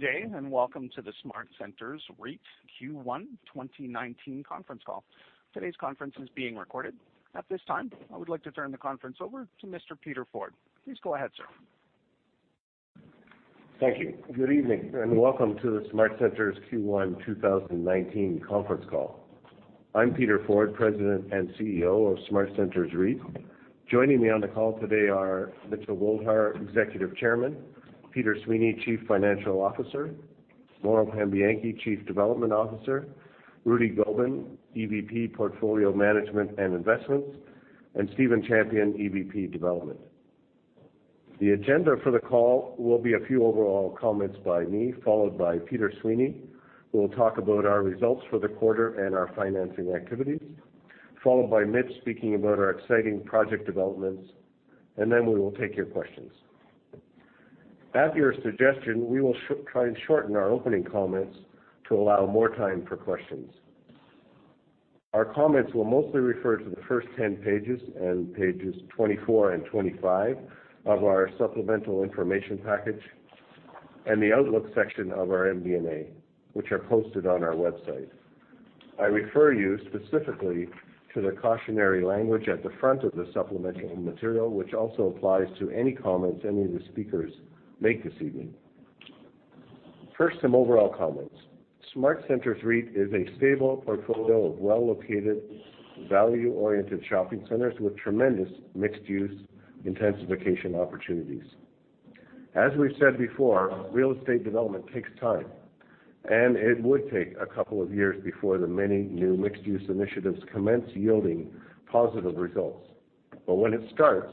Good day, and welcome to the SmartCentres REIT Q1 2019 conference call. Today's conference is being recorded. At this time, I would like to turn the conference over to Mr. Peter Forde. Please go ahead, sir. Thank you. Good evening, and welcome to the SmartCentres Q1 2019 conference call. I'm Peter Forde, President and CEO of SmartCentres REIT. Joining me on the call today are Mitchell Goldhar, Executive Chairman, Peter Sweeney, Chief Financial Officer, Mauro Pambianchi, Chief Development Officer, Rudy Gobin, EVP Portfolio Management and Investments, and Stephen Champion, EVP Development. The agenda for the call will be a few overall comments by me, followed by Peter Sweeney, who will talk about our results for the quarter and our financing activities. Followed by Mitch speaking about our exciting project developments, then we will take your questions. At your suggestion, we will try and shorten our opening comments to allow more time for questions. Our comments will mostly refer to the first 10 pages and pages 24 and 25 of our supplemental information package and the outlook section of our MD&A, which are posted on our website. I refer you specifically to the cautionary language at the front of the supplemental material, which also applies to any comments any of the speakers make this evening. First, some overall comments. SmartCentres REIT is a stable portfolio of well-located, value-oriented shopping centers with tremendous mixed-use intensification opportunities. As we've said before, real estate development takes time, and it would take a couple of years before the many new mixed-use initiatives commence yielding positive results. When it starts,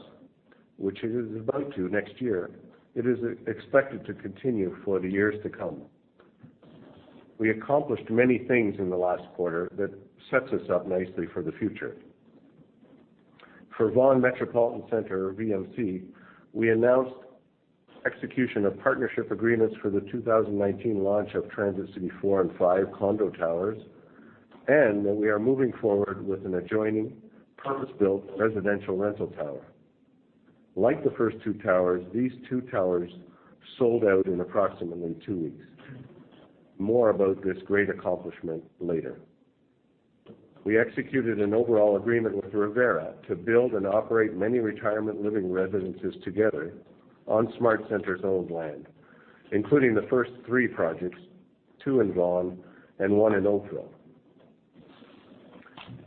which it is about to next year, it is expected to continue for the years to come. We accomplished many things in the last quarter that sets us up nicely for the future. For Vaughan Metropolitan Centre, VMC, we announced execution of partnership agreements for the 2019 launch of Transit City four and five condo towers, and that we are moving forward with an adjoining purpose-built residential rental tower. Like the first two towers, these two towers sold out in approximately two weeks. More about this great accomplishment later. We executed an overall agreement with Revera to build and operate many retirement living residences together on SmartCentres-owned land, including the first three projects, two in Vaughan, and one in Oakville.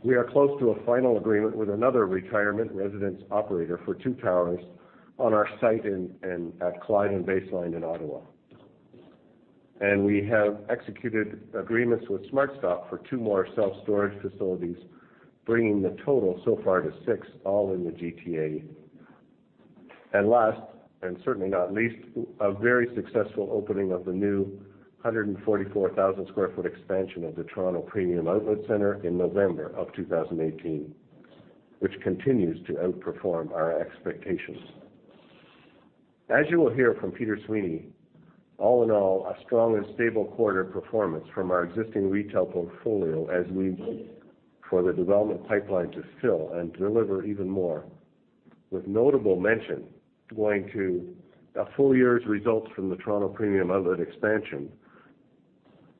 We are close to a final agreement with another retirement residence operator for two towers on our site at Clyde and Baseline in Ottawa. We have executed agreements with SmartStop for two more self-storage facilities, bringing the total so far to six, all in the GTA. Last, and certainly not least, a very successful opening of the new 144,000 square foot expansion of the Toronto Premium Outlets in November of 2018, which continues to outperform our expectations. As you will hear from Peter Sweeney, all in all, a strong and stable quarter performance from our existing retail portfolio as we wait for the development pipeline to fill and deliver even more. With notable mention going to a full year's results from the Toronto Premium Outlets expansion,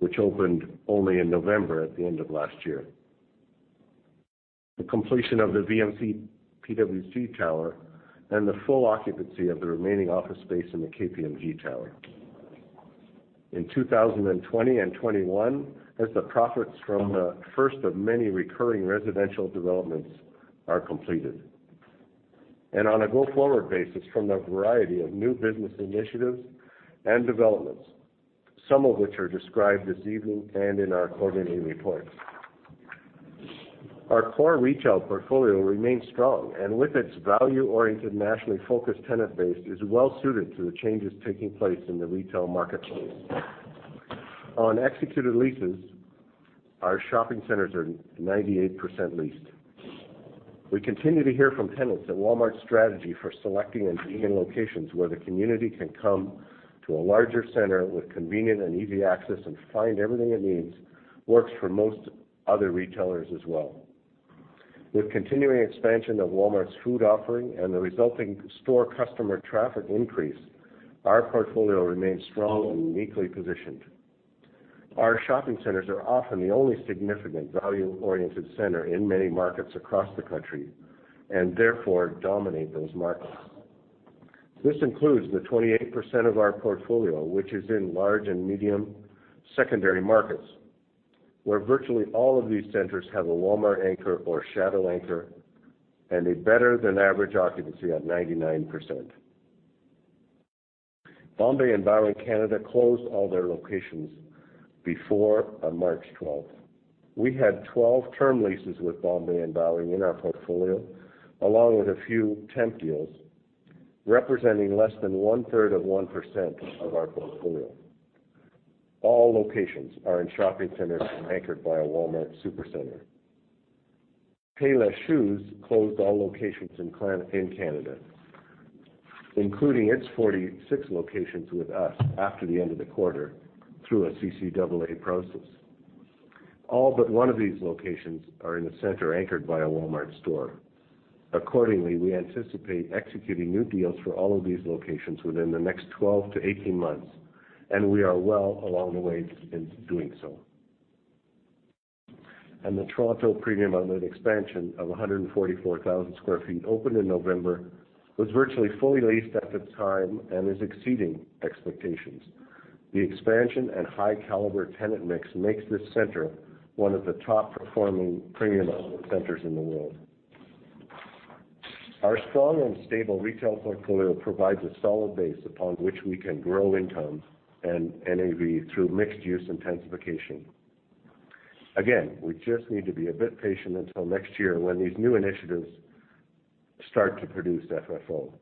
which opened only in November at the end of last year. The completion of the VMC PwC tower, and the full occupancy of the remaining office space in the KPMG tower. In 2020 and 2021, as the profits from the first of many recurring residential developments are completed. On a go-forward basis from the variety of new business initiatives and developments, some of which are described this evening and in our quarterly report. Our core retail portfolio remains strong, and with its value-oriented, nationally focused tenant base, is well-suited to the changes taking place in the retail marketplace. On executed leases, our shopping centers are 98% leased. We continue to hear from tenants that Walmart's strategy for selecting and being in locations where the community can come to a larger center with convenient and easy access and find everything it needs, works for most other retailers as well. With continuing expansion of Walmart's food offering and the resulting store customer traffic increase, our portfolio remains strong and uniquely positioned. Our shopping centers are often the only significant value-oriented center in many markets across the country, and therefore dominate those markets. This includes the 28% of our portfolio, which is in large and medium secondary markets, where virtually all of these centers have a Walmart anchor or shadow anchor and a better than average occupancy at 99%. Bombay & Co. and Bowring Canada closed all their locations before March 12th. We had 12 term leases with Bombay & Co. and Bowring in our portfolio, along with a few temp deals, representing less than one-third of 1% of our portfolio. All locations are in shopping centers anchored by a Walmart Supercenter. Payless ShoeSource closed all locations in Canada, including its 46 locations with us after the end of the quarter through a CCAA process. All but one of these locations are in a center anchored by a Walmart store. Accordingly, we anticipate executing new deals for all of these locations within the next 12-18 months, and we are well along the way in doing so. The Toronto Premium Outlets expansion of 144,000 square feet opened in November, was virtually fully leased at the time, and is exceeding expectations. The expansion and high-caliber tenant mix makes this center one of the top-performing premium outlet centers in the world. Our strong and stable retail portfolio provides a solid base upon which we can grow income and NAV through mixed-use intensification. Again, we just need to be a bit patient until next year when these new initiatives start to produce FFO.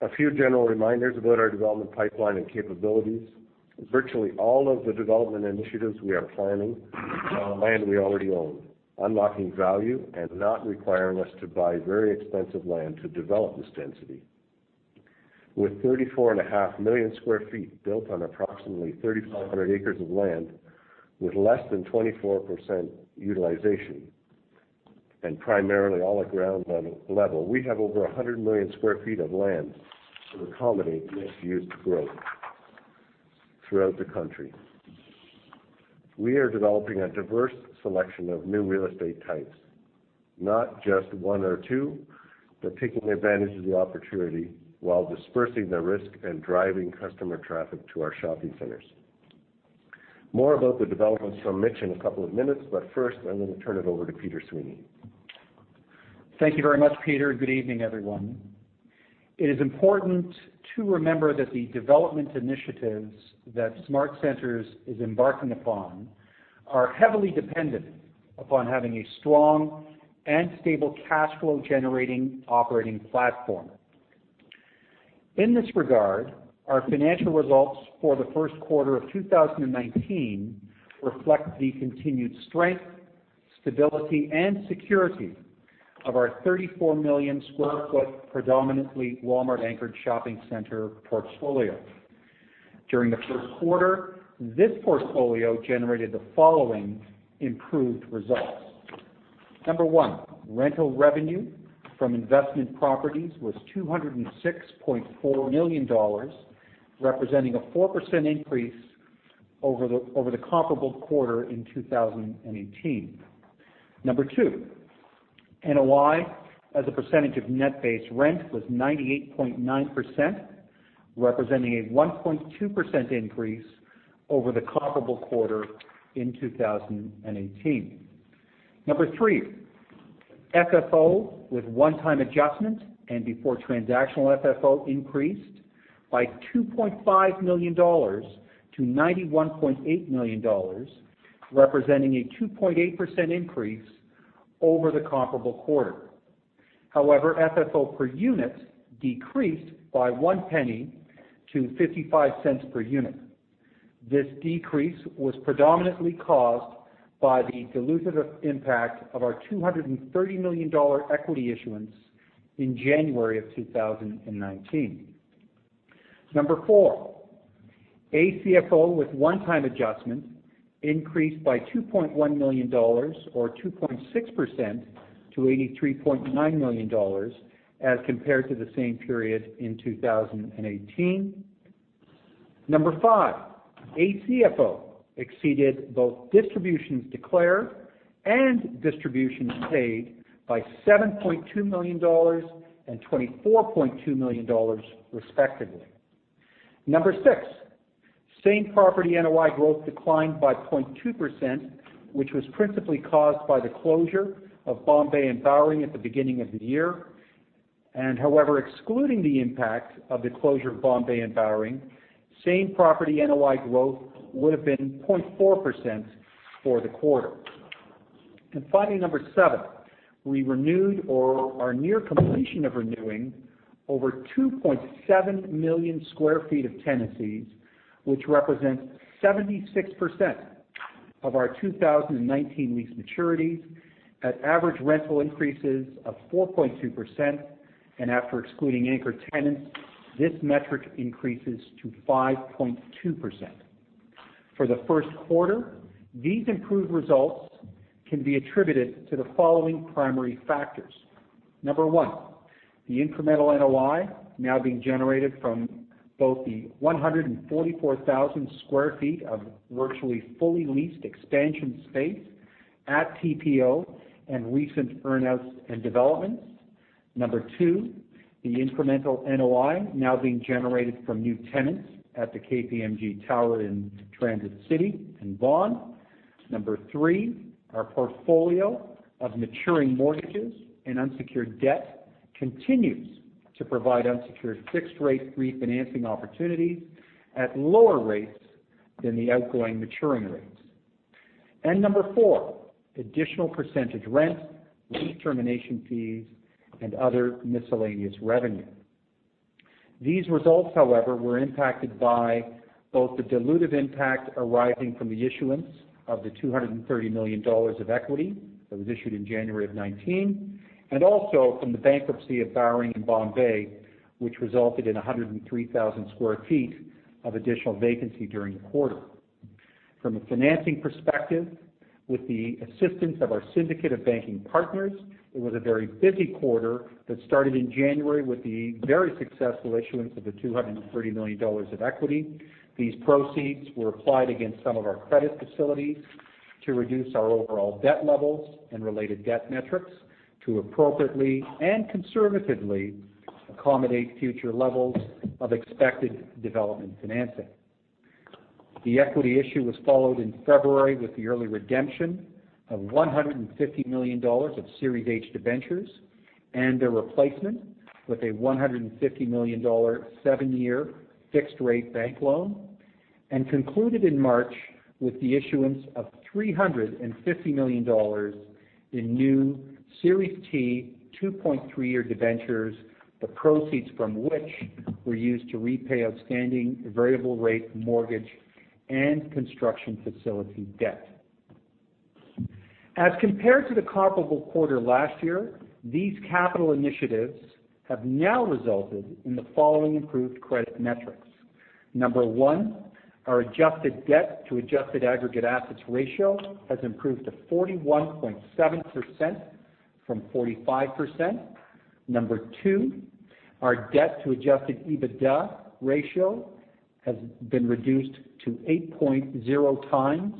A few general reminders about our development pipeline and capabilities. Virtually all of the development initiatives we are planning are on land we already own, unlocking value and not requiring us to buy very expensive land to develop this density. With 34.5 million sq ft built on approximately 3,500 acres of land with less than 24% utilization and primarily all at ground level, we have over 100 million sq ft of land to accommodate mixed-use growth throughout the country. We are developing a diverse selection of new real estate types. Not just one or two, taking advantage of the opportunity while dispersing the risk and driving customer traffic to our shopping centers. More about the developments from Mitch in a couple of minutes, first, I'm going to turn it over to Peter Sweeney. Thank you very much, Peter. Good evening, everyone. It is important to remember that the development initiatives that SmartCentres is embarking upon are heavily dependent upon having a strong and stable cash flow-generating operating platform. In this regard, our financial results for the first quarter of 2019 reflect the continued strength, stability, and security of our 34-million-sq-ft predominantly Walmart-anchored shopping center portfolio. During the first quarter, this portfolio generated the following improved results. Number one, rental revenue from investment properties was 206.4 million dollars, representing a 4% increase over the comparable quarter in 2018. Number two, NOI as a percentage of net base rent was 98.9%, representing a 1.2% increase over the comparable quarter in 2018. Number three, FFO with one-time adjustment and before transactional FFO increased by 2.5 million dollars to 91.8 million dollars, representing a 2.8% increase over the comparable quarter. FFO per unit decreased by 0.01 to 0.55 per unit. This decrease was predominantly caused by the dilutive impact of our 230 million dollar equity issuance in January of 2019. Number four, ACFO with one-time adjustment increased by 2.1 million dollars or 2.6% to 83.9 million dollars as compared to the same period in 2018. Number five, ACFO exceeded both distributions declared and distributions paid by 7.2 million dollars and 24.2 million dollars, respectively. Number six, same property NOI growth declined by 0.2%, which was principally caused by the closure of Bombay and Bowring at the beginning of the year. However, excluding the impact of the closure of Bombay and Bowring, same property NOI growth would have been 0.4% for the quarter. Finally, number seven, we renewed or are near completion of renewing over 2.7 million sq ft of tenancies, which represents 76% of our 2019 lease maturities at average rental increases of 4.2%, and after excluding anchor tenants, this metric increases to 5.2%. For the first quarter, these improved results can be attributed to the following primary factors. Number one, the incremental NOI now being generated from both the 144,000 sq ft of virtually fully leased expansion space at TPO and recent earnouts and developments. Number two, the incremental NOI now being generated from new tenants at the KPMG Tower in Transit City and Vaughan. Number three, our portfolio of maturing mortgages and unsecured debt continues to provide unsecured fixed-rate refinancing opportunities at lower rates than the outgoing maturing rates. Number four, additional percentage rents, lease termination fees, and other miscellaneous revenue. These results, however, were impacted by both the dilutive impact arising from the issuance of the 230 million dollars of equity that was issued in January of 2019, and also from the bankruptcy of Bowring and Bombay, which resulted in 103,000 sq ft of additional vacancy during the quarter. From a financing perspective, with the assistance of our syndicate of banking partners, it was a very busy quarter that started in January with the very successful issuance of the 230 million dollars of equity. These proceeds were applied against some of our credit facilities to reduce our overall debt levels and related debt metrics to appropriately and conservatively accommodate future levels of expected development financing. The equity issue was followed in February with the early redemption of 150 million dollars of Series H debentures and their replacement with a 150 million dollar, seven-year fixed rate bank loan, and concluded in March with the issuance of 350 million dollars in new Series T, 2.3-year debentures, the proceeds from which were used to repay outstanding variable rate mortgage and construction facility debt. As compared to the comparable quarter last year, these capital initiatives have now resulted in the following improved credit metrics. Number one, our adjusted debt to adjusted aggregate assets ratio has improved to 41.7% from 45%. Number two, our debt to adjusted EBITDA ratio has been reduced to 8.0 times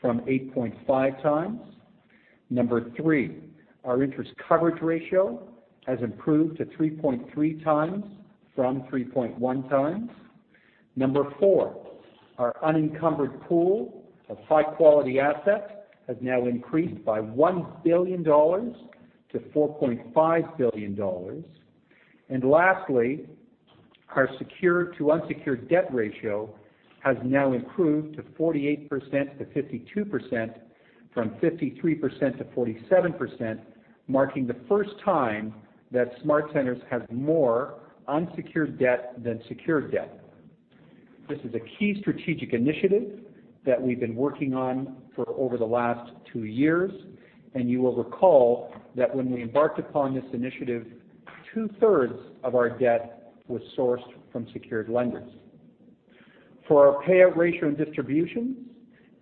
from 8.5 times. Number three, our interest coverage ratio has improved to 3.3 times from 3.1 times. Number four, our unencumbered pool of high-quality assets has now increased by 1 billion dollars to 4.5 billion dollars. Lastly, our secured to unsecured debt ratio has now improved to 48% to 52%, from 53% to 47%, marking the first time that SmartCentres has more unsecured debt than secured debt. This is a key strategic initiative that we've been working on for over the last two years, and you will recall that when we embarked upon this initiative, two-thirds of our debt was sourced from secured lenders. For our payout ratio and distributions,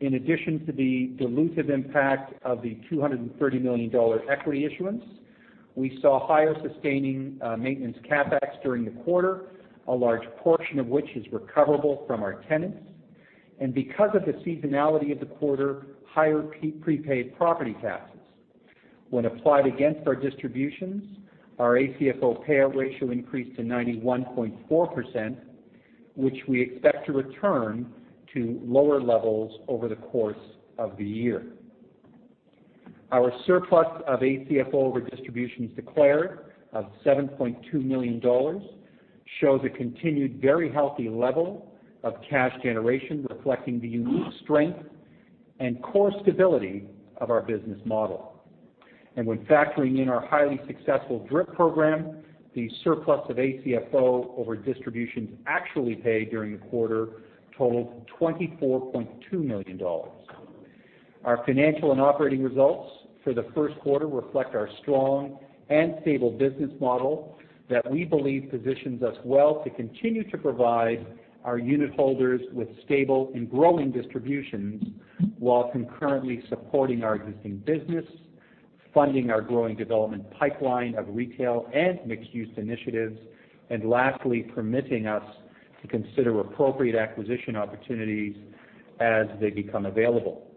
in addition to the dilutive impact of the 230 million dollars equity issuance, we saw higher sustaining maintenance CapEx during the quarter, a large portion of which is recoverable from our tenants. Because of the seasonality of the quarter, higher prepaid property taxes. When applied against our distributions, our ACFO payout ratio increased to 91.4%, which we expect to return to lower levels over the course of the year. Our surplus of ACFO over distributions declared of 7.2 million dollars shows a continued very healthy level of cash generation, reflecting the unique strength and core stability of our business model. When factoring in our highly successful DRIP program, the surplus of ACFO over distributions actually paid during the quarter totaled 24.2 million dollars. Our financial and operating results for the first quarter reflect our strong and stable business model that we believe positions us well to continue to provide our unit holders with stable and growing distributions while concurrently supporting our existing business, funding our growing development pipeline of retail and mixed-use initiatives, and lastly, permitting us to consider appropriate acquisition opportunities as they become available.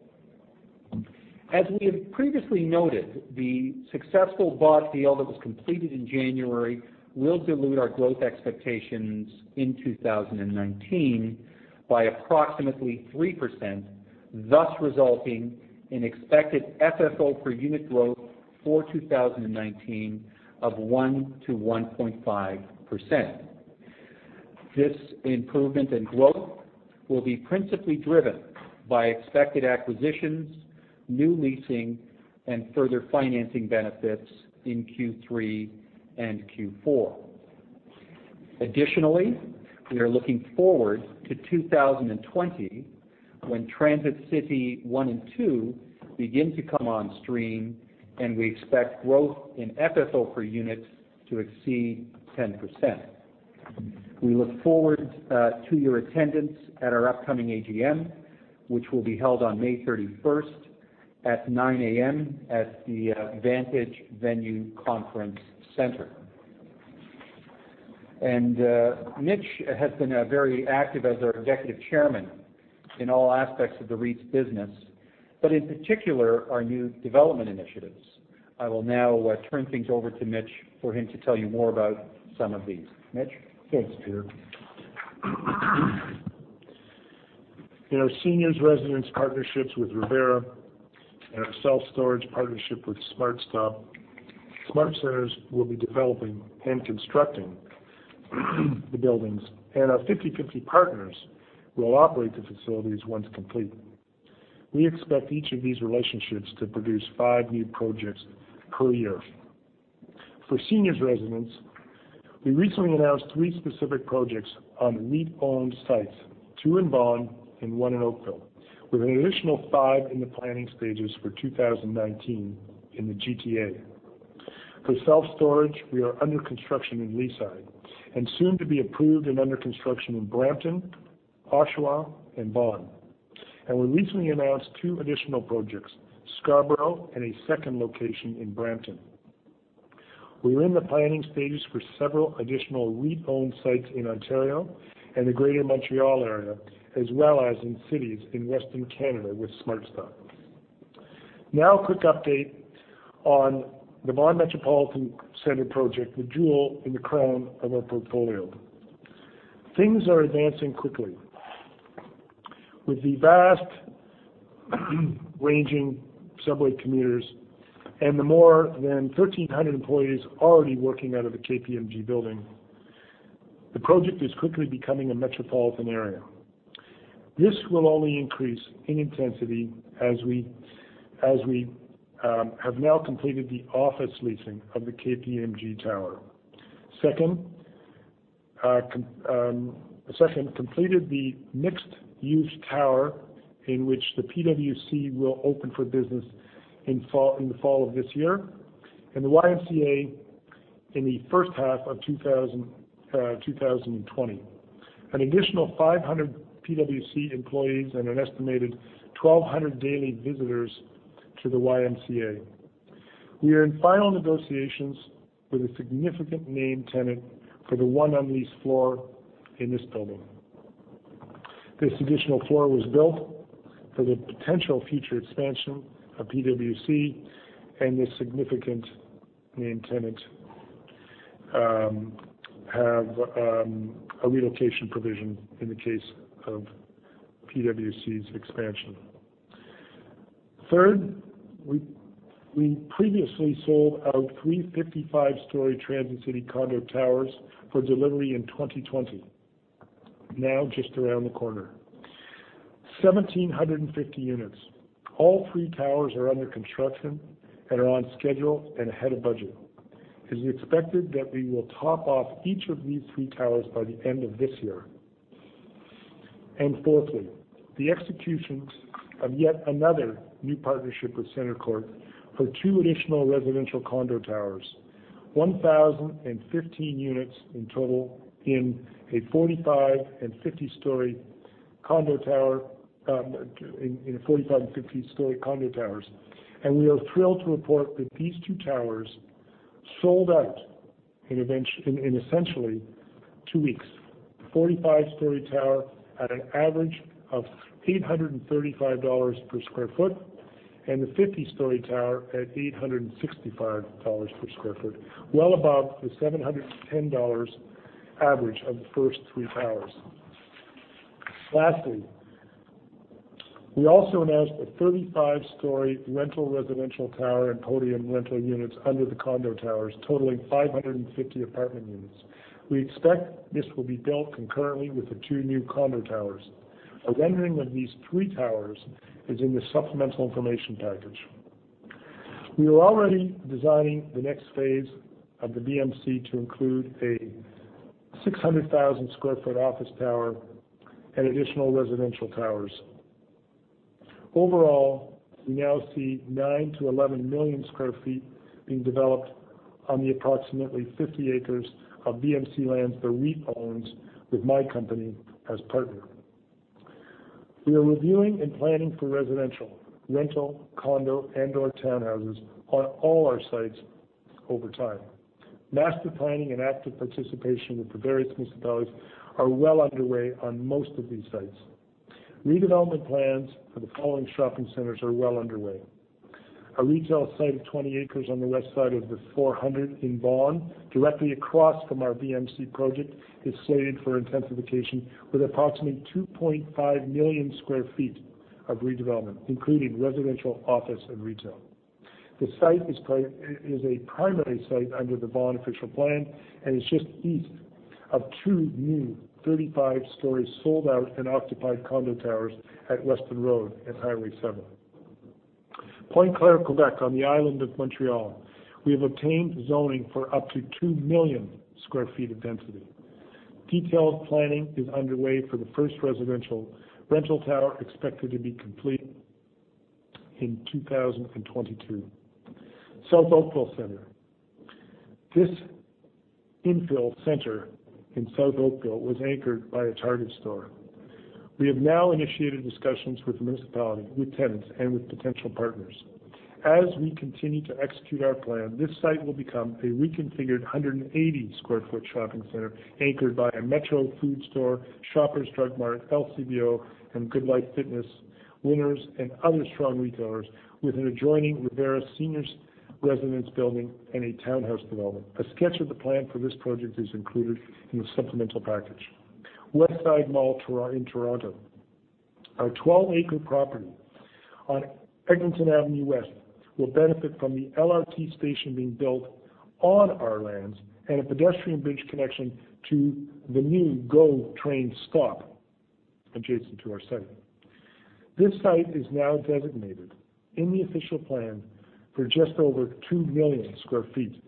As we have previously noted, the successful bought deal that was completed in January will dilute our growth expectations in 2019 by approximately 3%, thus resulting in expected FFO per unit growth for 2019 of 1%-1.5%. This improvement in growth will be principally driven by expected acquisitions, new leasing, and further financing benefits in Q3 and Q4. Additionally, we are looking forward to 2020 when Transit City one and two begin to come on stream and we expect growth in FFO per unit to exceed 10%. We look forward to your attendance at our upcoming AGM, which will be held on May 31st at 9:00 A.M. at the Vantage Venues Conference Centre. Mitch has been very active as our Executive Chairman in all aspects of the REIT's business, but in particular, our new development initiatives. I will now turn things over to Mitch for him to tell you more about some of these. Mitch? Thanks, Peter. In our seniors' residence partnerships with Revera and our self-storage partnership with SmartStop, SmartCentres will be developing and constructing the buildings, and our 50/50 partners will operate the facilities once complete. We expect each of these relationships to produce five new projects per year. For seniors' residence, we recently announced three specific projects on REIT-owned sites, two in Vaughan and one in Oakville, with an additional five in the planning stages for 2019 in the GTA. For self-storage, we are under construction in Leaside, and soon to be approved and under construction in Brampton, Oshawa, and Vaughan. We recently announced two additional projects, Scarborough and a second location in Brampton. We are in the planning stages for several additional REIT-owned sites in Ontario and the Greater Montreal area, as well as in cities in Western Canada with SmartStop. A quick update on the Vaughan Metropolitan Centre project, the jewel in the crown of our portfolio. Things are advancing quickly. With the vast ranging subway commuters and the more than 1,300 employees already working out of the KPMG building, the project is quickly becoming a metropolitan area. This will only increase in intensity as we have now completed the office leasing of the KPMG tower. Second, completed the mixed-use tower in which the PwC will open for business in the fall of this year, and the YMCA in the first half of 2020. An additional 500 PwC employees and an estimated 1,200 daily visitors to the YMCA. We are in final negotiations with a significant name tenant for the one unleased floor in this building. This additional floor was built for the potential future expansion of PwC. This significant name tenant have a relocation provision in the case of PwC's expansion. Third, we previously sold out three 55-story Transit City condo towers for delivery in 2020, now just around the corner. 1,750 units. All three towers are under construction and are on schedule and ahead of budget. It is expected that we will top off each of these three towers by the end of this year. Fourthly, the execution of yet another new partnership with CentreCourt for two additional residential condo towers, 1,015 units in total in a 45 and 50-story condo towers. We are thrilled to report that these two towers sold out in essentially two weeks. The 45-story tower at an average of 835 dollars per square foot, and the 50-story tower at 865 dollars per square foot, well above the 710 dollars average of the first three towers. Lastly, we also announced a 35-story rental residential tower and podium rental units under the condo towers totaling 550 apartment units. We expect this will be built concurrently with the two new condo towers. A rendering of these three towers is in the supplemental information package. We are already designing the next phase of the VMC to include a 600,000 sq ft office tower and additional residential towers. Overall, we now see 9 to 11 million sq ft being developed on the approximately 50 acres of VMC lands that REIT owns with my company as partner. We are reviewing and planning for residential, rental, condo, and/or townhouses on all our sites over time. Master planning and active participation with the various municipalities are well underway on most of these sites. Redevelopment plans for the following shopping centers are well underway. A retail site of 20 acres on the west side of the 400 in Vaughan, directly across from our VMC project, is slated for intensification with approximately 2.5 million sq ft of redevelopment, including residential, office, and retail. The site is a primary site under the Vaughan Official Plan and is just east of two new 35-story sold-out and occupied condo towers at Weston Road and Highway 7. Pointe-Claire, Quebec, on the island of Montreal. We have obtained zoning for up to 2 million sq ft of density. Detailed planning is underway for the first residential rental tower, expected to be completed in 2022. South Oakville Centre. This infill center in South Oakville was anchored by a Target store. We have now initiated discussions with the municipality, with tenants, and with potential partners. As we continue to execute our plan, this site will become a reconfigured 180 sq ft shopping center anchored by a Metro food store, Shoppers Drug Mart, LCBO, and GoodLife Fitness, Winners, and other strong retailers with an adjoining Revera seniors residence building and a townhouse development. A sketch of the plan for this project is included in the supplemental package. Westside Mall in Toronto. Our 12-acre property on Eglinton Avenue West will benefit from the LRT station being built on our lands and a pedestrian bridge connection to the new GO Transit train stop adjacent to our site. This site is now designated in the official plan for just over 2 million sq ft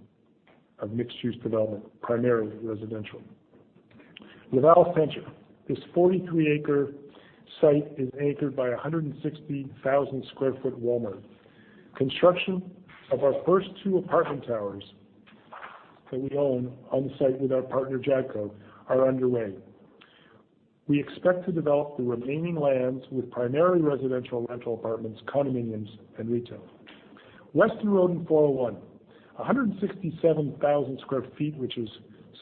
of mixed-use development, primarily residential. Laval Centre. This 43-acre site is anchored by 160,000 sq ft Walmart. Construction of our first two apartment towers that we own on site with our partner Jadco are underway. We expect to develop the remaining lands with primarily residential rental apartments, condominiums, and retail. Weston Road and 401, 167,000 square feet, which is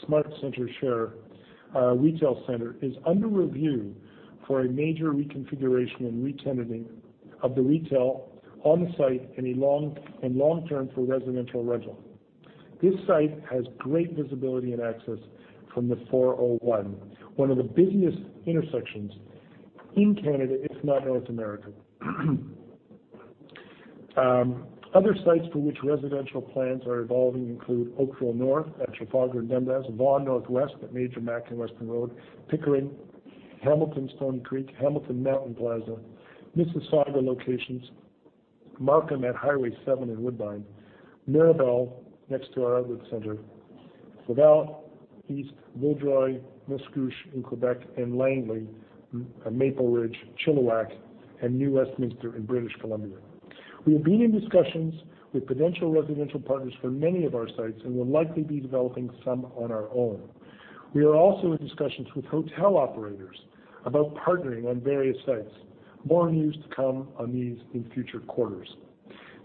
SmartCentres share. A retail center is under review for a major reconfiguration and re-tenanting of the retail on site and long-term for residential rental. This site has great visibility and access from the 401, one of the busiest intersections in Canada, if not North America. Other sites for which residential plans are evolving include Oakville North at Trafalgar and Dundas, Vaughan Northwest at Major Mackenzie and Weston Road, Pickering, Hamilton Stone Creek, Hamilton Mountain Plaza, Mississauga locations, Markham at Highway 7 and Woodbine, Mirabel, next to our outlet center, Laval, East Vaudreuil, Mascouche in Quebec, and Langley, Maple Ridge, Chilliwack, and New Westminster in British Columbia. We have been in discussions with potential residential partners for many of our sites and will likely be developing some on our own. We are also in discussions with hotel operators about partnering on various sites. More news to come on these in future quarters.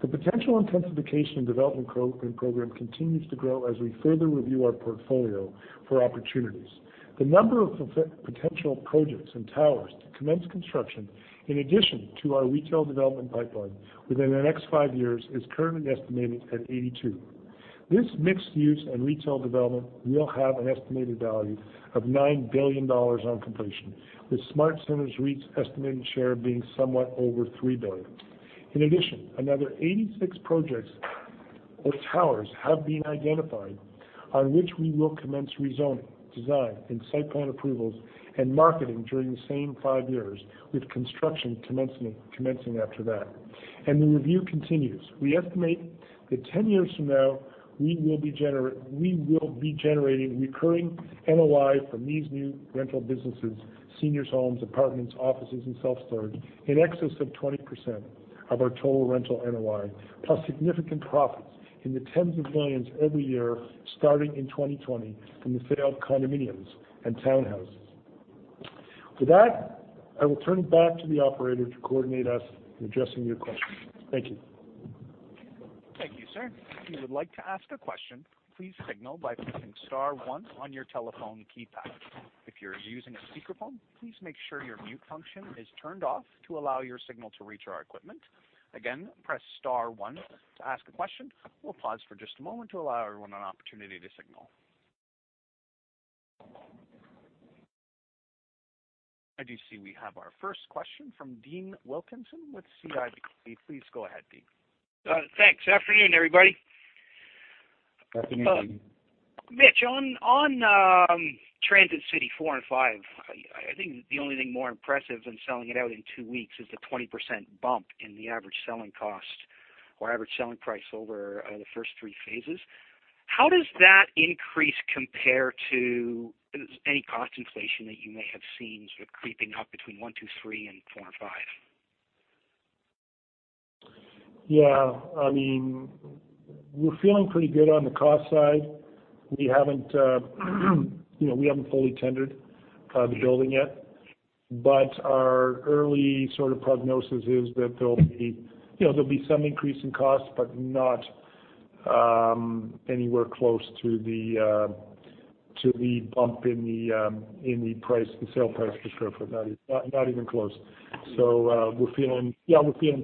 The potential intensification development program continues to grow as we further review our portfolio for opportunities. The number of potential projects and towers to commence construction, in addition to our retail development pipeline within the next five years, is currently estimated at 82. This mixed use and retail development will have an estimated value of 9 billion dollars on completion, with SmartCentres REIT's estimated share being somewhat over 3 billion. In addition, another 86 projects or towers have been identified on which we will commence rezoning, design, and site plan approvals, and marketing during the same five years, with construction commencing after that. The review continues. We estimate that 10 years from now, we will be generating recurring NOI from these new rental businesses, seniors homes, apartments, offices, and self-storage, in excess of 20% of our total rental NOI, plus significant profits in the tens of millions every year starting in 2020 from the sale of condominiums and townhouses. With that, I will turn it back to the operator to coordinate us in addressing your questions. Thank you. Thank you, sir. If you would like to ask a question, please signal by pressing star one on your telephone keypad. If you're using a speakerphone, please make sure your mute function is turned off to allow your signal to reach our equipment. Again, press star one to ask a question. We'll pause for just a moment to allow everyone an opportunity to signal. I do see we have our first question from Dean Wilkinson with CIBC. Please go ahead, Dean. Thanks. Afternoon, everybody. Afternoon, Dean. Mitch, on Transit City 4 and 5, I think the only thing more impressive than selling it out in two weeks is the 20% bump in the average selling cost or average selling price over the first 3 phases. How does that increase compare to any cost inflation that you may have seen sort of creeping up between 1, 2, 3, and 4 and 5? Yeah. We're feeling pretty good on the cost side. We haven't fully tendered the building yet, but our early prognosis is that there'll be some increase in cost, but not anywhere close to the bump in the sale price per square foot. Not even close. We're feeling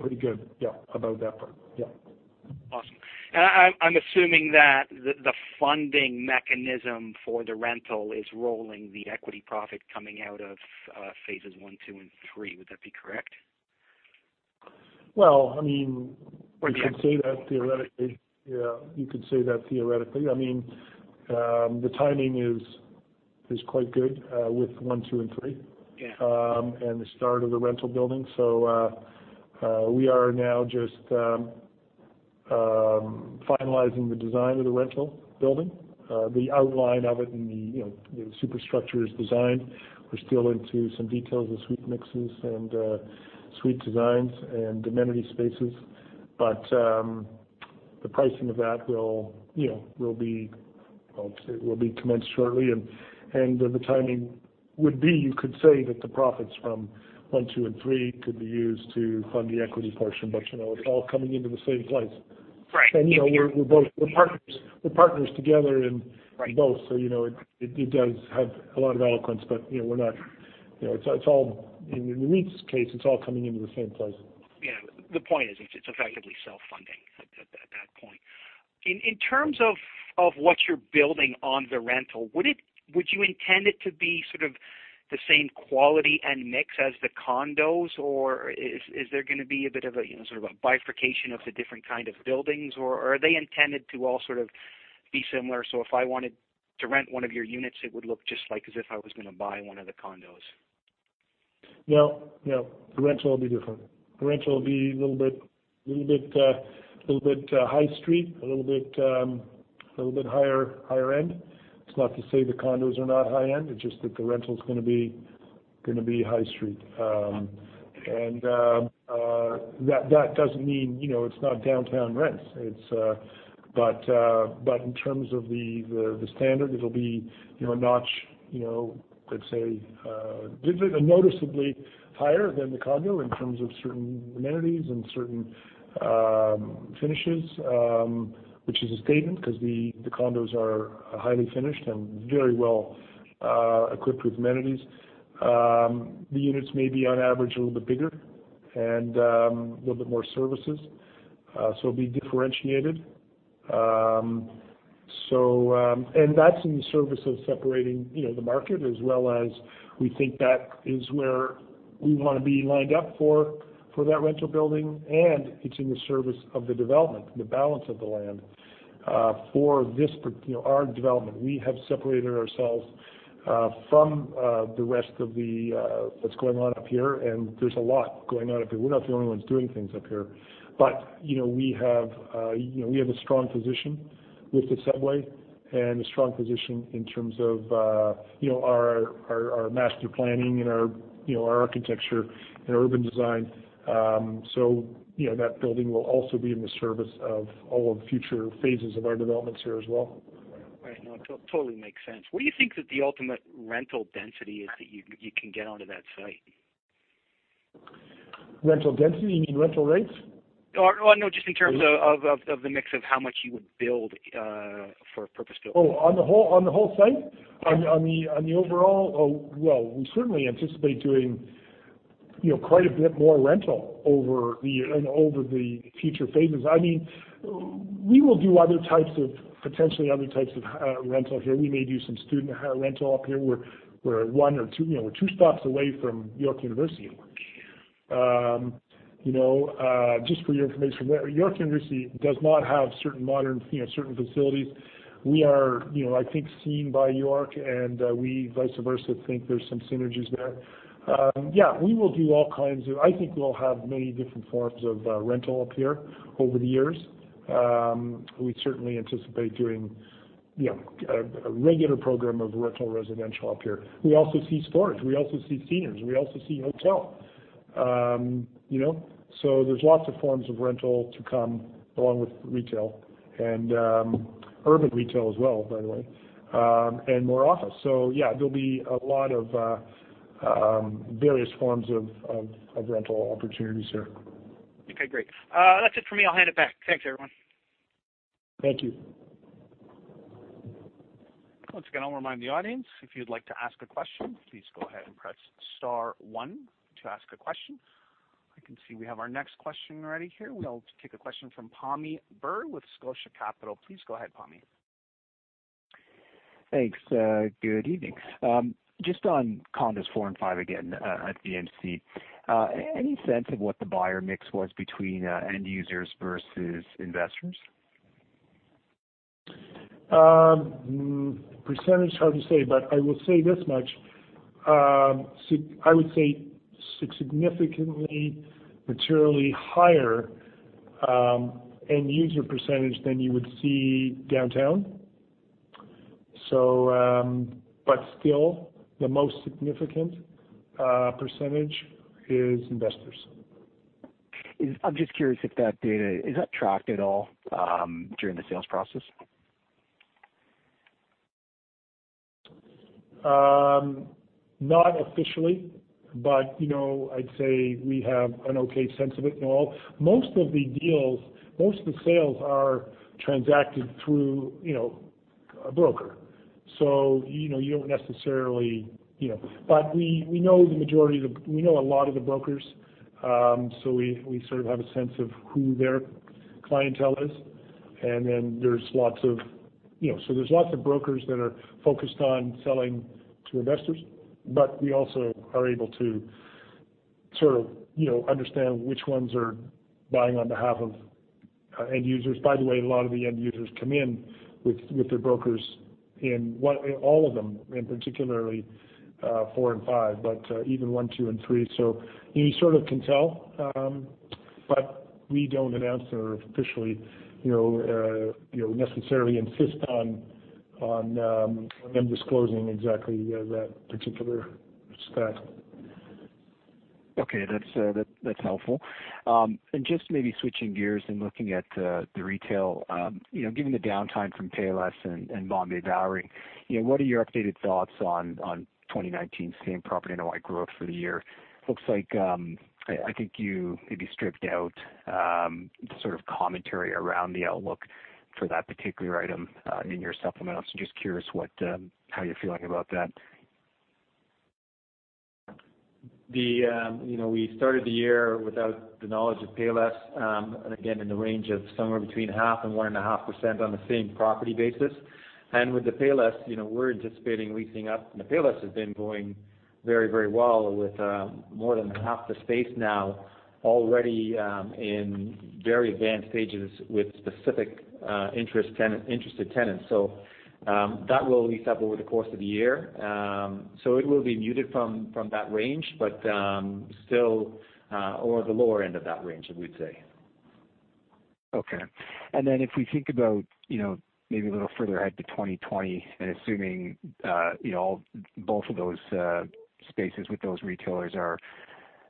pretty good about that part. Yeah. Awesome. I'm assuming that the funding mechanism for the rental is rolling the equity profit coming out of phases 1, 2, and 3. Would that be correct? Well, you could say that theoretically. The timing is quite good with 1, 2, and 3. Yeah. The start of the rental building. We are now just finalizing the design of the rental building. The outline of it and the superstructure is designed. We're still into some details of suite mixes and suite designs and amenity spaces. The pricing of that will be commenced shortly, and the timing would be, you could say that the profits from 1, 2 and 3 could be used to fund the equity portion, it's all coming into the same place. Right. We're partners together. Right in both, so it does have a lot of eloquence. In the REIT's case, it's all coming into the same place. Yeah. The point is, it's effectively self-funding at that point. In terms of what you're building on the rental, would you intend it to be sort of the same quality and mix as the condos, or is there going to be a bit of a bifurcation of the different kind of buildings, or are they intended to all sort of be similar? If I wanted to rent one of your units, it would look just like as if I was going to buy one of the condos? No. The rental will be different. The rental will be a little bit high street, a little bit higher end. It's not to say the condos are not high-end, it's just that the rental is going to be high street. That doesn't mean it's not downtown rents. In terms of the standard, it'll be a notch, let's say, noticeably higher than the condo in terms of certain amenities and certain finishes, which is a statement because the condos are highly finished and very well equipped with amenities. The units may be, on average, a little bit bigger and a little bit more services. It'll be differentiated. That's in the service of separating the market as well as we think that is where we want to be lined up for that rental building, and it's in the service of the development, the balance of the land. For our development, we have separated ourselves from the rest of what's going on up here, and there's a lot going on up here. We're not the only ones doing things up here. We have a strong position with the subway and a strong position in terms of our master planning and our architecture and urban design. That building will also be in the service of all the future phases of our developments here as well. Right. No, it totally makes sense. What do you think that the ultimate rental density is that you can get onto that site? Rental density? You mean rental rates? No, just in terms of the mix of how much you would build for a purpose-built. Oh, on the whole site? On the overall? Well, we certainly anticipate doing quite a bit more rental over the future phases. We will do potentially other types of rental here. We may do some student rental up here. We're two stops away from York University. Okay. Just for your information, York University does not have certain modern facilities. We are, I think, seen by York, and we, vice versa, think there's some synergies there. We will do all kinds of I think we'll have many different forms of rental up here over the years. We certainly anticipate doing a regular program of rental residential up here. We also see storage. We also see seniors. We also see hotel. There's lots of forms of rental to come, along with retail, and urban retail as well, by the way, and more office. There'll be a lot of various forms of rental opportunities here. Great. That's it for me. I'll hand it back. Thanks, everyone. Thank you. Once again, I'll remind the audience, if you'd like to ask a question, please go ahead and press star one to ask a question. I can see we have our next question ready here. We'll take a question from Pammi Bir with Scotia Capital. Please go ahead, Pammi. Thanks. Good evening. Just on condos four and five again, at the VMC. Any sense of what the buyer mix was between end users versus investors? Percentage, hard to say, I will say this much. I would say significantly, materially higher end user percentage than you would see downtown. Still, the most significant percentage is investors. I'm just curious if that data, is that tracked at all during the sales process? Not officially, I'd say we have an okay sense of it. Most of the deals, most of the sales are transacted through a broker. We know a lot of the brokers, we sort of have a sense of who their clientele is. There's lots of brokers that are focused on selling to investors, we also are able to sort of understand which ones are buying on behalf of end users. By the way, a lot of the end users come in with their brokers in all of them, and particularly, four and five, but even one, two and three. You sort of can tell, we don't announce or officially necessarily insist on them disclosing exactly that particular stat. Okay, that's helpful. Just maybe switching gears and looking at the retail. Given the downtime from Payless and Bombay & Co., what are your updated thoughts on 2019 same property NOI growth for the year? Looks like, I think you maybe stripped out sort of commentary around the outlook for that particular item in your supplement. Just curious how you're feeling about that. We started the year without the knowledge of Payless, and again, in the range of somewhere between half and one and a half percent on the same property basis. With the Payless, we're anticipating leasing up. The Payless has been going very well with more than half the space now already in very advanced stages with specific interested tenants. That will lease up over the course of the year. It will be muted from that range, or the lower end of that range, I would say. Okay. If we think about maybe a little further ahead to 2020, assuming both of those spaces with those retailers are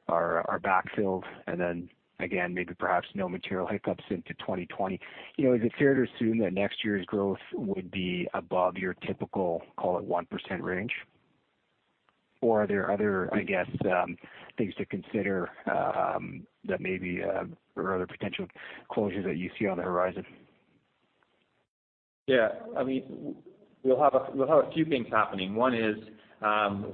backfilled and then again, maybe perhaps no material hiccups into 2020, is it fair to assume that next year's growth would be above your typical, call it, 1% range? Are there other things to consider that maybe, or other potential closures that you see on the horizon? Yeah. We'll have a few things happening. One is,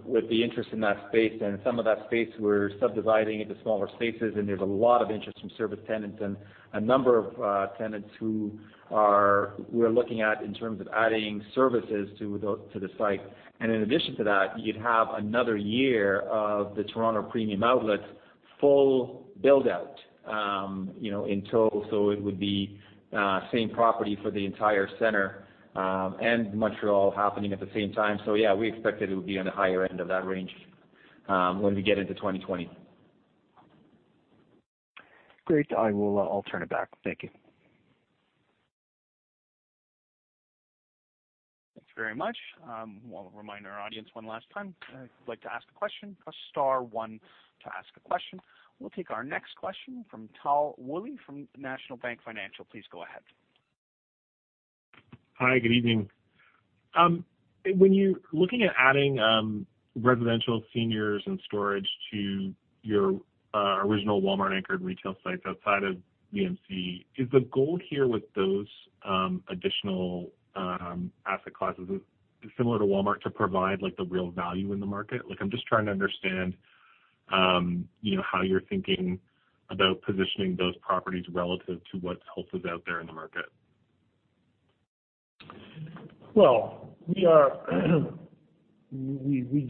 with the interest in that space and some of that space we're subdividing into smaller spaces, and there's a lot of interest from service tenants and a number of tenants who we're looking at in terms of adding services to the site. In addition to that, you'd have another year of the Toronto Premium Outlets full build-out in total. It would be same property for the entire center, and Montreal happening at the same time. We expect that it would be on the higher end of that range when we get into 2020. Great. I'll turn it back. Thank you. Thanks very much. I want to remind our audience one last time, if you'd like to ask a question, press star one to ask a question. We'll take our next question from Tal Woolley from National Bank Financial. Please go ahead. Hi, good evening. When you're looking at adding residential seniors and storage to your original Walmart anchored retail sites outside of VMC, is the goal here with those additional asset classes similar to Walmart to provide the real value in the market? I'm just trying to understand how you're thinking about positioning those properties relative to what else is out there in the market. Well, we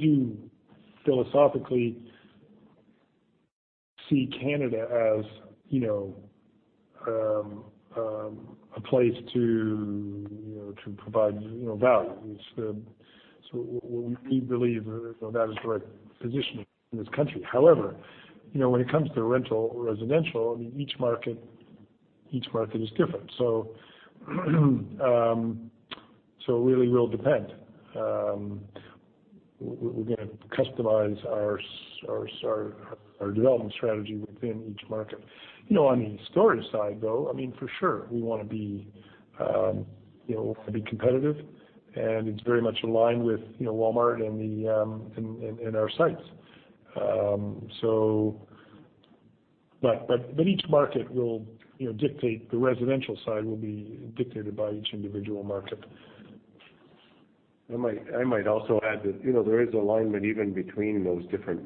do philosophically see Canada as a place to provide value. We believe that is the right positioning in this country. However, when it comes to rental residential, each market is different. It really will depend. We're going to customize our development strategy within each market. On the storage side, though, for sure, we want to be competitive, and it's very much aligned with Walmart and our sites. Each market will dictate. The residential side will be dictated by each individual market. I might also add that there is alignment even between those different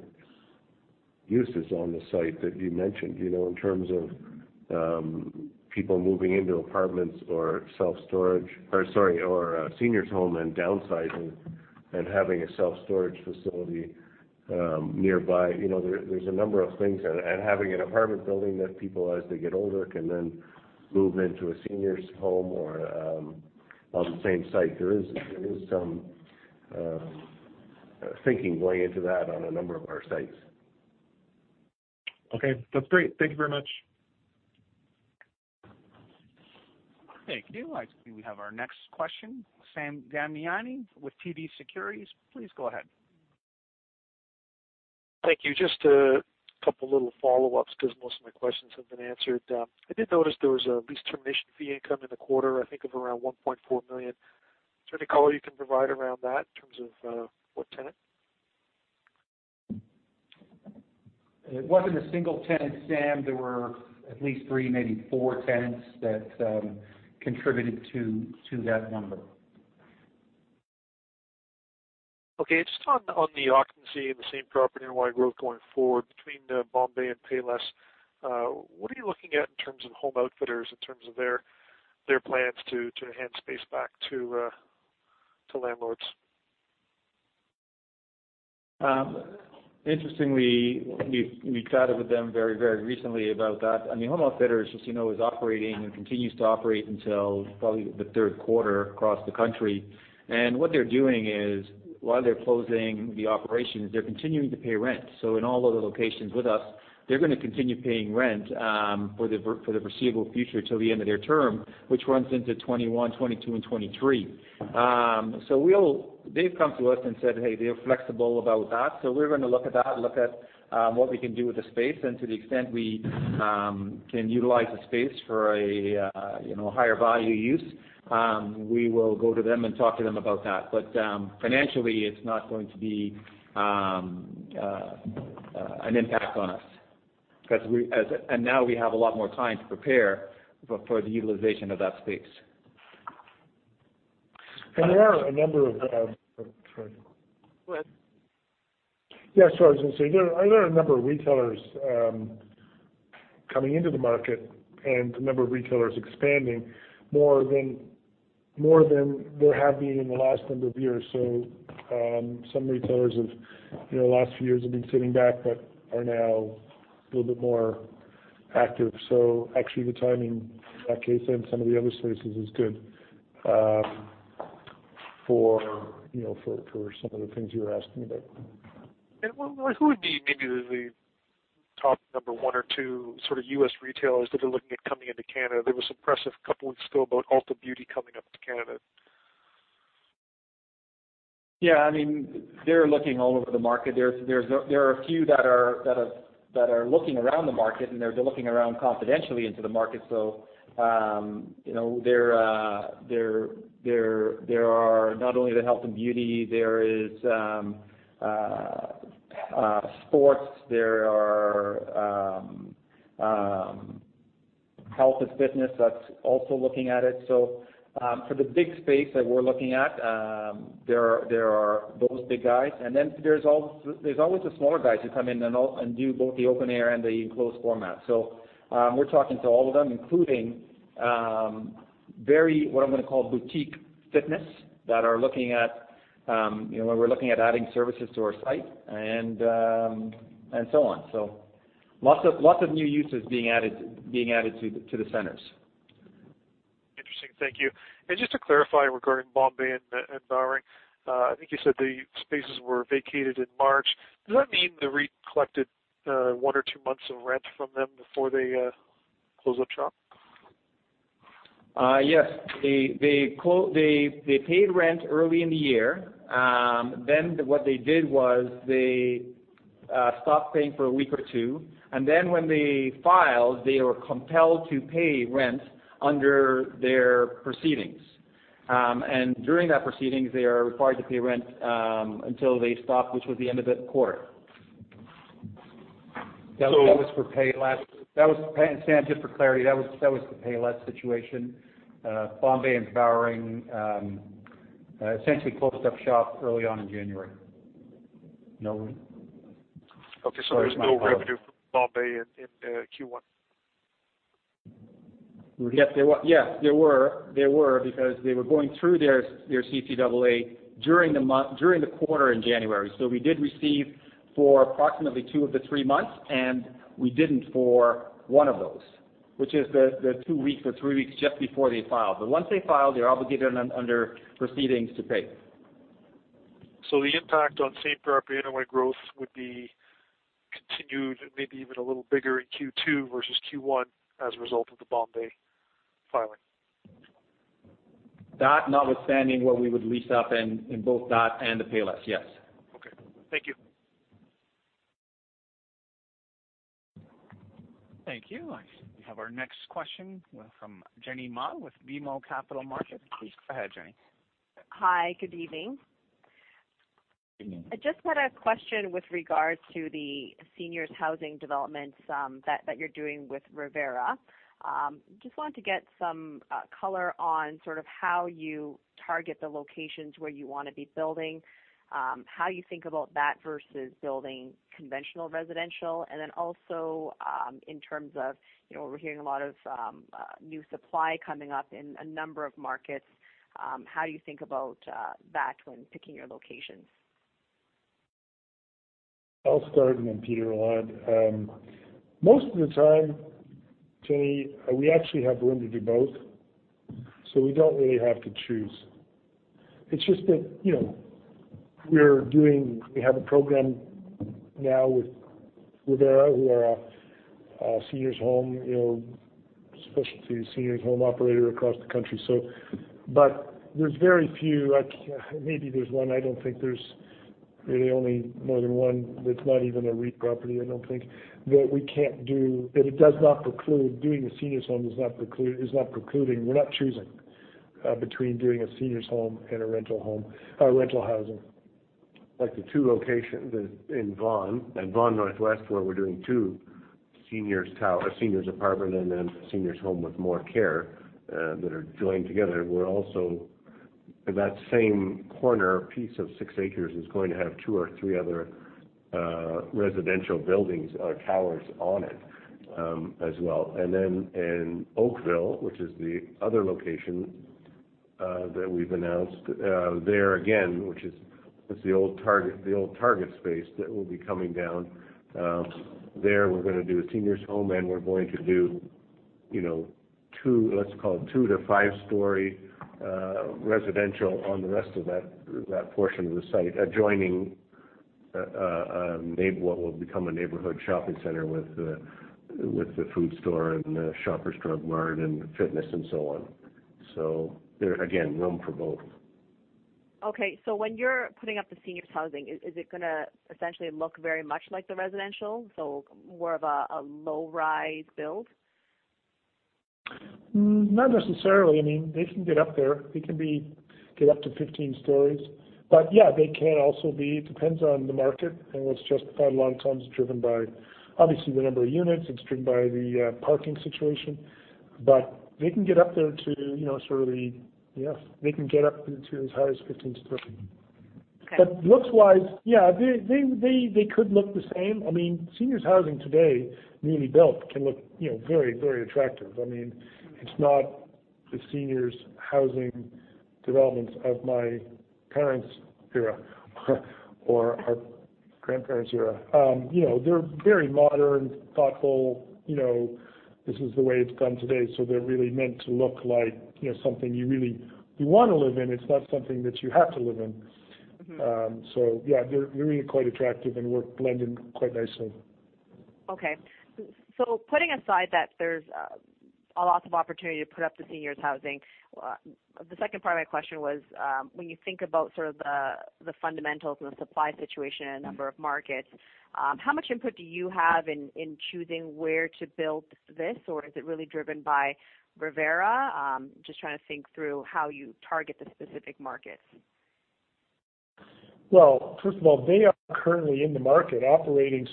uses on the site that you mentioned. In terms of people moving into apartments or self-storage, or a senior's home and downsizing and having a self-storage facility nearby. There's a number of things. And having an apartment building that people, as they get older, can then move into a senior's home on the same site. There is some thinking going into that on a number of our sites. Okay, that's great. Thank you very much. Thank you. I see we have our next question. Sam Damiani with TD Securities. Please go ahead. Thank you. Just a couple little follow-ups because most of my questions have been answered. I did notice there was a lease termination fee income in the quarter, I think of around 1.4 million. Is there any color you can provide around that in terms of what tenant? It wasn't a single tenant, Sam. There were at least three, maybe four tenants that contributed to that number. Okay. Just on the occupancy and the same-property and wide growth going forward between the Bombay and Payless. What are you looking at in terms of Home Outfitters, in terms of their plans to hand space back to landlords? Interestingly, we chatted with them very recently about that. Home Outfitters, as you know, is operating and continues to operate until probably the third quarter across the country. What they're doing is while they're closing the operations, they're continuing to pay rent. In all of the locations with us, they're going to continue paying rent for the foreseeable future till the end of their term, which runs into 2021, 2022, and 2023. They've come to us and said, "Hey," they're flexible about that. We're going to look at that and look at what we can do with the space. To the extent we can utilize the space for a higher value use, we will go to them and talk to them about that. Financially, it's not going to be an impact on us. Now we have a lot more time to prepare for the utilization of that space. There are a number of Sorry. Go ahead. Yeah, sorry. I was going to say, there are a number of retailers coming into the market and a number of retailers expanding more than there have been in the last number of years. Some retailers in the last few years have been sitting back but are now a little bit more active. Actually the timing in that case and some of the other spaces is good. For some of the things you were asking about. Who would be maybe the top number one or two U.S. retailers that are looking at coming into Canada? There was a press a couple of weeks ago about Ulta Beauty coming up to Canada. They're looking all over the market. There are a few that are looking around the market, and they're looking around confidentially into the market. There are not only the health and beauty, there is sports, there are health and fitness that's also looking at it. For the big space that we're looking at, there are those big guys, and then there's always the smaller guys who come in and do both the open-air and the enclosed format. We're talking to all of them, including very, what I'm going to call, boutique fitness that are looking at adding services to our site, and so on. Lots of new uses being added to the centers. Interesting. Thank you. Just to clarify regarding Bombay and Bowring, I think you said the spaces were vacated in March. Does that mean the REIT collected one or two months of rent from them before they closed up shop? Yes. They paid rent early in the year. What they did was they stopped paying for a week or two, and then when they filed, they were compelled to pay rent under their proceedings. During that proceedings, they are required to pay rent, until they stopped, which was the end of the quarter. That was for Payless. Sam, just for clarity, that was the Payless situation. Bombay and Bowring essentially closed up shop early on in January. There's no revenue from Bombay in Q1? Yes, there were, because they were going through their CCAA during the quarter in January. We did receive for approximately two of the three months, and we didn't for one of those, which is the two weeks or three weeks just before they filed. Once they filed, they're obligated under proceedings to pay. The impact on same-property NOI growth would be continued, maybe even a little bigger in Q2 versus Q1 as a result of the Bombay filing. That notwithstanding what we would lease up in both that and the Payless, yes. Okay. Thank you. Thank you. We have our next question from Jenny Ma with BMO Capital Markets. Please go ahead, Jenny. Hi, good evening. I just had a question with regards to the seniors housing developments that you're doing with Revera. Just wanted to get some color on how you target the locations where you want to be building, how you think about that versus building conventional residential, and then also, in terms of, we're hearing a lot of new supply coming up in a number of markets. How do you think about that when picking your locations? I'll start and then Peter will add. Most of the time, Jenny, we actually have room to do both, so we don't really have to choose. It's just that, we have a program now with Revera, who are a seniors home specialty, seniors home operator across the country. There's very few, maybe there's one, I don't think there's really only more than one. That's not even a REIT property, I don't think. That it does not preclude doing a seniors home, is not precluding. We're not choosing between doing a seniors home and a rental home, or rental housing. Like the two locations in Vaughan Northwest, where we're doing two seniors tower, seniors apartment, and then seniors home with more care, that are joined together. We're also, in that same corner piece of six acres, is going to have two or three other residential buildings or towers on it, as well. In Oakville, which is the other location, that we've announced. There again, which is the old Target space that will be coming down. There, we're going to do a seniors home, and we're going to do two, let's call it two to five-story, residential on the rest of that portion of the site adjoining what will become a neighborhood shopping center with the food store and the Shoppers Drug Mart and fitness and so on. There, again, room for both. Okay, when you're putting up the seniors housing, is it going to essentially look very much like the residential, so more of a low-rise build? Not necessarily. They can get up there. They can get up to 15 stories. Yeah, they can also be, depends on the market and what's justified. A lot of times it's driven by, obviously, the number of units. It's driven by the parking situation. They can get up there to as high as 15 stories. Okay. Looks-wise, yeah, they could look the same. Seniors housing today, newly built, can look very attractive. It's not the seniors housing developments of my parents' era. Our-Grandparents. They're very modern, thoughtful. This is the way it's done today, so they're really meant to look like something you really want to live in. It's not something that you have to live in. Yeah, they're really quite attractive and will blend in quite nicely. Okay. Putting aside that there's lots of opportunity to put up the seniors housing, the second part of my question was, when you think about sort of the fundamentals and the supply situation in a number of markets, how much input do you have in choosing where to build this, or is it really driven by Revera? Just trying to think through how you target the specific markets. Well, first of all, they are currently in the market operating.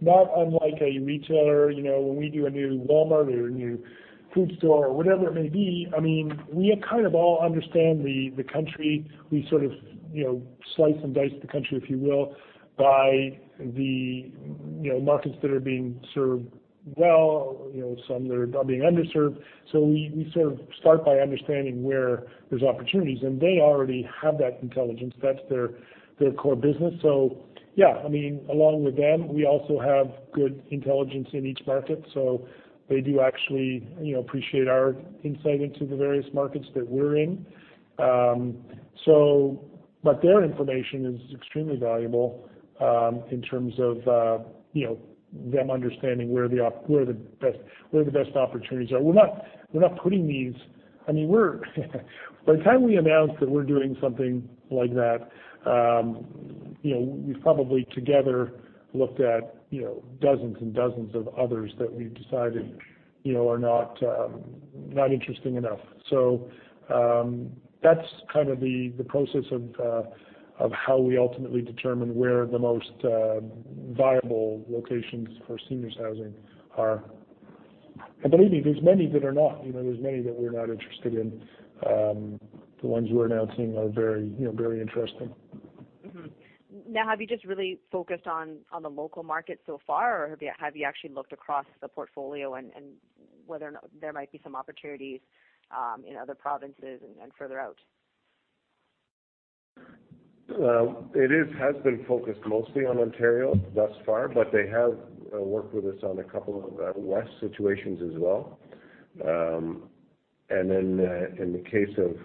Not unlike a retailer, when we do a new Walmart or a new food store or whatever it may be, we kind of all understand the country. We sort of slice and dice the country, if you will, by the markets that are being served well. Some that are being underserved. We sort of start by understanding where there's opportunities, and they already have that intelligence. That's their core business. Yeah, along with them, we also have good intelligence in each market. They do actually appreciate our insight into the various markets that we're in. Their information is extremely valuable, in terms of them understanding where the best opportunities are. By the time we announce that we're doing something like that, we've probably together looked at dozens and dozens of others that we've decided are not interesting enough. That's kind of the process of how we ultimately determine where the most viable locations for seniors housing are. Believe me, there's many that are not. There's many that we're not interested in. The ones we're announcing are very interesting. Mm-hmm. Have you just really focused on the local market so far, or have you actually looked across the portfolio and whether or not there might be some opportunities in other provinces and further out? It has been focused mostly on Ontario thus far, but they have worked with us on a couple of West situations as well. In the case of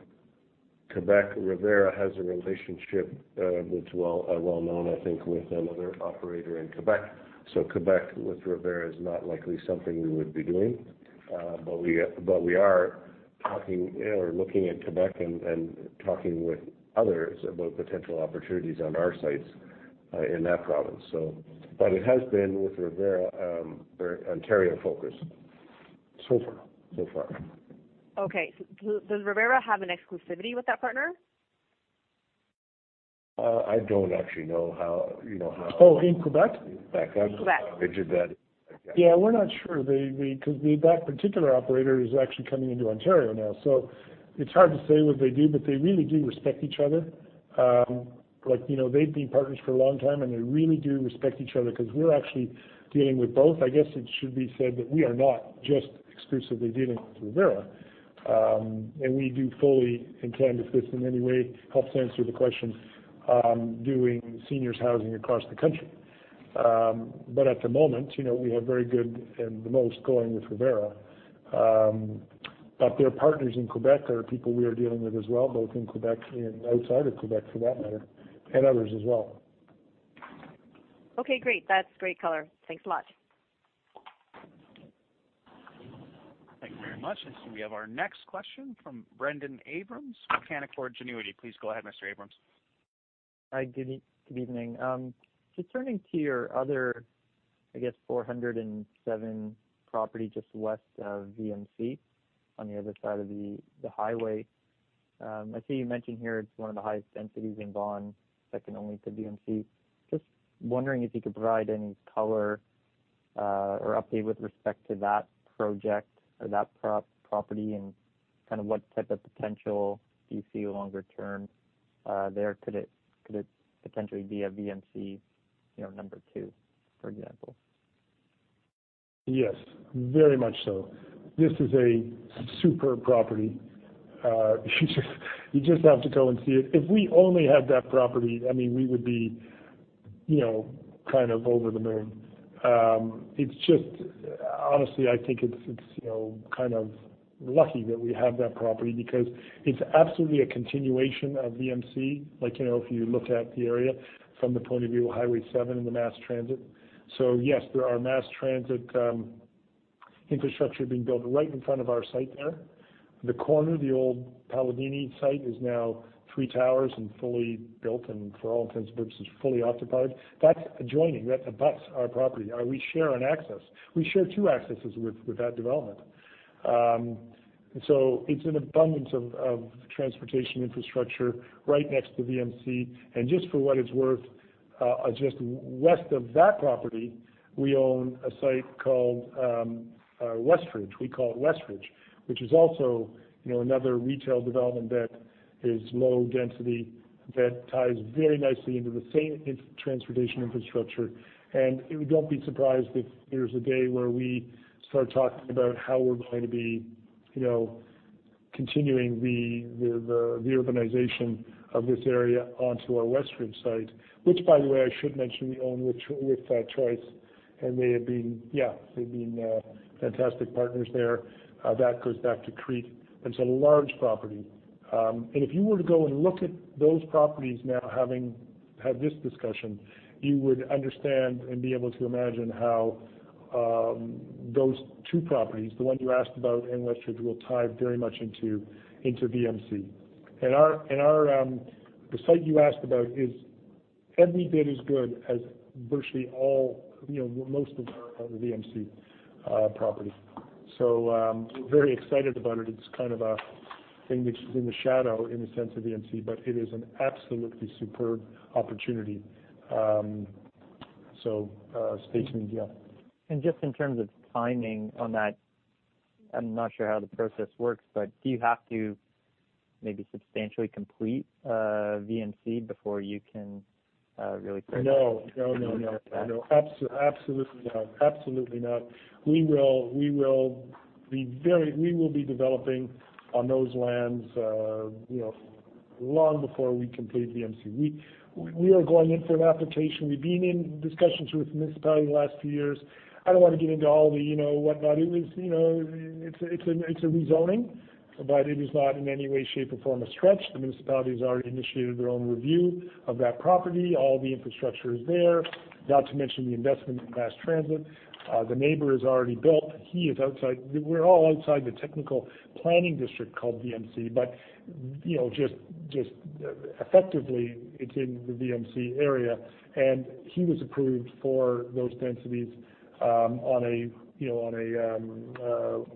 Quebec, Revera has a relationship, which are well-known, I think, with another operator in Quebec. Quebec with Revera is not likely something we would be doing. We are talking or looking at Quebec and talking with others about potential opportunities on our sites in that province. It has been with Revera, very Ontario focused so far. Okay. Does Revera have an exclusivity with that partner? I don't actually know. Oh, in Quebec? In Quebec. I'm not. Quebec sure about the [widget that I got. Yeah, we're not sure. That particular operator is actually coming into Ontario now. It's hard to say what they do, but they really do respect each other. They've been partners for a long time, and they really do respect each other because we're actually dealing with both. I guess it should be said that we are not just exclusively dealing with Revera. We do fully intend, if this in any way helps answer the question, doing seniors housing across the country. At the moment, we have very good and the most going with Revera. Their partners in Quebec are people we are dealing with as well, both in Quebec and outside of Quebec, for that matter, and others as well. Okay, great. That's great color. Thanks a lot. Thank you very much. We have our next question from Brendon Abrams, Canaccord Genuity. Please go ahead, Mr. Abrams. Hi, good evening. Turning to your other, I guess, 407 property just west of VMC on the other side of the highway. I see you mentioned here it's one of the highest densities in Vaughan, second only to VMC. Just wondering if you could provide any color or update with respect to that project or that property, and kind of what type of potential do you see longer term there. Could it potentially be a VMC number two, for example? Yes, very much so. This is a super property. You just have to go and see it. If we only had that property, we would be kind of over the moon. Honestly, I think it's kind of lucky that we have that property because it's absolutely a continuation of VMC. If you look at the area from the point of view of Highway 7 and the mass transit. Yes, there are mass transit infrastructure being built right in front of our site there. The corner of the old Paladini site is now three towers and fully built and for all intents and purposes, fully occupied. That's adjoining. That abuts our property. We share an access. We share two accesses with that development. It's an abundance of transportation infrastructure right next to VMC. Just for what it's worth, just west of that property, we own a site called Westridge. We call it Westridge, which is also another retail development that is low density that ties very nicely into the same transportation infrastructure. Don't be surprised if there's a day where we start talking about how we're going to be continuing the urbanization of this area onto our Westridge site, which by the way, I should mention we own with Choice, and they have been fantastic partners there. That goes back to CREIT. It's a large property. If you were to go and look at those properties now, having had this discussion, you would understand and be able to imagine how those two properties, the one you asked about and Westridge, will tie very much into VMC. The site you asked about is every bit as good as virtually all, most of our VMC property. We're very excited about it. It's kind of a thing which is in the shadow in the sense of VMC, but it is an absolutely superb opportunity. Stay tuned. Yeah. Just in terms of timing on that, I'm not sure how the process works, but do you have to maybe substantially complete VMC before you can really proceed No. With that? Absolutely not. We will be developing on those lands long before we complete VMC. We are going in for an application. We've been in discussions with the municipality in the last few years. I don't want to get into all the whatnot. It's a rezoning, but it is not in any way, shape, or form a stretch. The municipality's already initiated their own review of that property. All the infrastructure is there, not to mention the investment in mass transit. The neighbor has already built. We're all outside the technical planning district called VMC, but just effectively, it's in the VMC area, and he was approved for those densities on a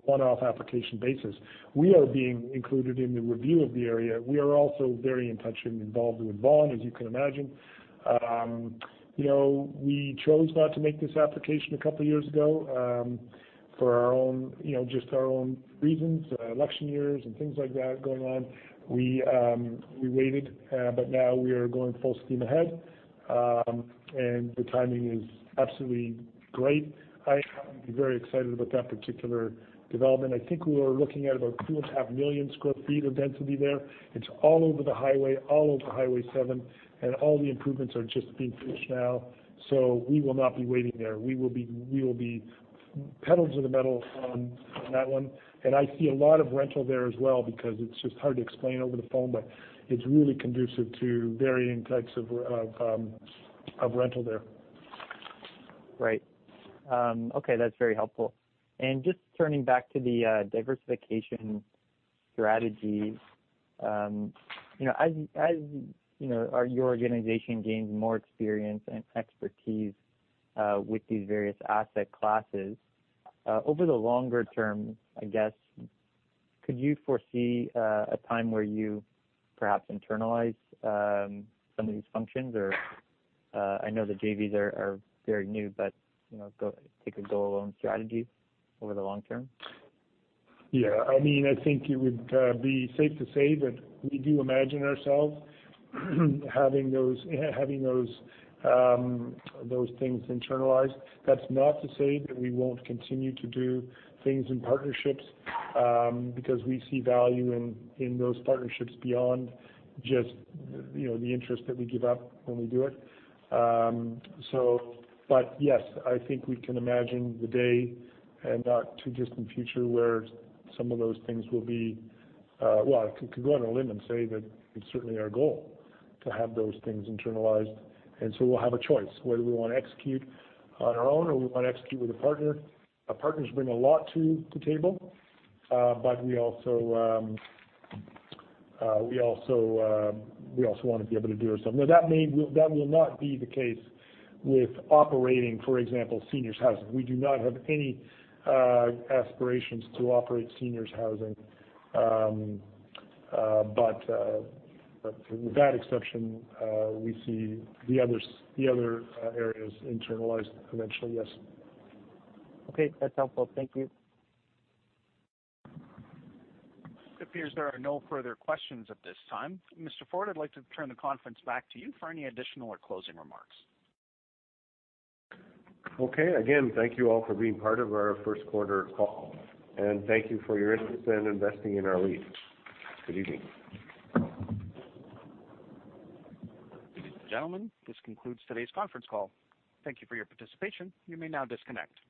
one-off application basis. We are being included in the review of the area. We are also very in touch and involved with Vaughan, as you can imagine. We chose not to make this application a couple of years ago, for just our own reasons, election years and things like that going on. We waited, but now we are going full steam ahead. The timing is absolutely great. I am very excited about that particular development. I think we were looking at about 2.5 million square feet of density there. It's all over the highway, all over Highway 7, and all the improvements are just being finished now. We will not be waiting there. We will be pedal to the metal on that one. I see a lot of rental there as well because it's just hard to explain over the phone, but it's really conducive to varying types of rental there. Right. Okay, that's very helpful. Just turning back to the diversification strategy. As your organization gains more experience and expertise with these various asset classes, over the longer term, I guess, could you foresee a time where you perhaps internalize some of these functions or, I know the JVs are very new, take a go-it-alone strategy over the long term? Yeah, I think it would be safe to say that we do imagine ourselves having those things internalized. That's not to say that we won't continue to do things in partnerships, because we see value in those partnerships beyond just the interest that we give up when we do it. Yes, I think we can imagine the day and not too distant future where some of those things will be. Well, I could go out on a limb and say that it's certainly our goal to have those things internalized, and so we'll have a choice whether we want to execute on our own or we want to execute with a partner. Our partners bring a lot to the table. We also want to be able to do it ourselves. Now, that will not be the case with operating, for example, seniors housing. We do not have any aspirations to operate seniors housing. With that exception, we see the other areas internalized eventually, yes. Okay, that's helpful. Thank you. It appears there are no further questions at this time. Mr. Forde, I'd like to turn the conference back to you for any additional or closing remarks. Okay. Again, thank you all for being part of our first quarter call, and thank you for your interest in investing in our REIT. Good evening. Ladies and gentlemen, this concludes today's conference call. Thank you for your participation. You may now disconnect.